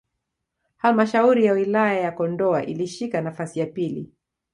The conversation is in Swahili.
Halmshauri ya Wilaya ya Kondoa ilishika nafasi ya pili